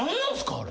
あれ。